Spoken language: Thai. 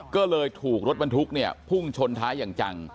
ก็เลยถูกรถบรรทุกเนี่ยพุ่งชนท้ายอย่างจัง